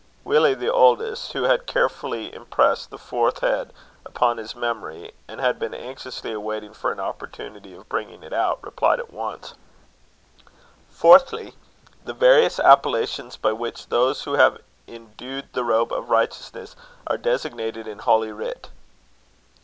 Willie, the eldest, who had carefully impressed the fourth head upon his memory, and had been anxiously waiting for an opportunity of bringing it out, replied at once: "Fourthly: The various appellations by which those who have indued the robe of righteousness are designated in Holy Writ."